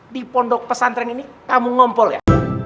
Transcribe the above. di pondok pesantren ini kamu ngompol ya